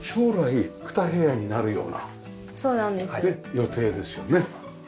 予定ですよね。